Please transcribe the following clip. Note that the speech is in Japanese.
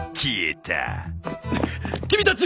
君たち！